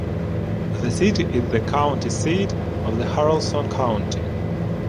The city is the county seat of Haralson County.